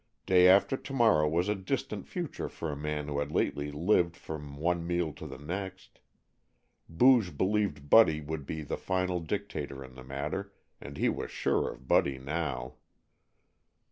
Day after to morrow was a distant future for a man who had lately lived from one meal to the next. Booge believed Buddy would be the final dictator in the matter, and he was sure of Buddy now.